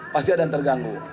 pasti ada yang terganggu